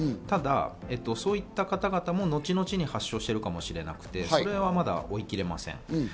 ただ、そういった方々も後々に発症しているかもしれなくて、それはまだ追いきれません。